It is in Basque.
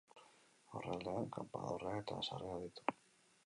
Aurrealdean kanpandorrea eta sarrera ditu.